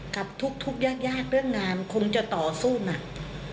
กับทุกยากยากเรื่องงานคงจะต่อสู้หนัก